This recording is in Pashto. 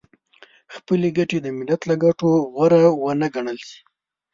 خپلې ګټې د ملت له ګټو غوره ونه ګڼل شي .